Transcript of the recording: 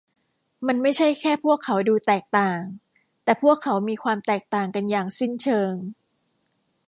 มันไม่ใช่แค่พวกเขาดูแตกต่าง แต่พวกเขามีความแตกต่างกันอย่างสิ้นเชิง